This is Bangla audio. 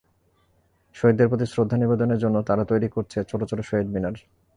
শহীদদের প্রতি শ্রদ্ধা নিবেদনের জন্য তারা তৈরি করছে ছোট ছোট শহীদ মিনার।